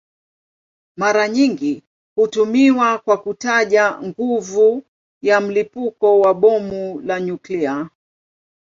Mara nyingi hutumiwa kwa kutaja nguvu ya mlipuko wa bomu la nyuklia.